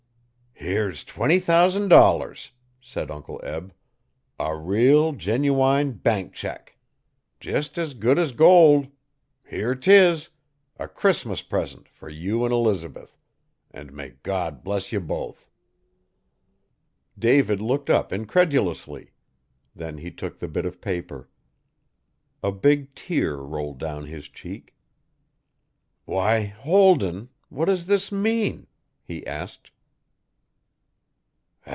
'Here's twenty thousan' dollars,' said Uncle Eb, 'a reel, genuwine bank check! Jist as good as gold. Here 'tis! A Crissmus present fer you 'n Elizabeth. An' may God bless ye both!' David looked up incredulously. Then he took the bit of paper. A big tear rolled down his cheek. 'Why, Holden! What does this mean?' he asked.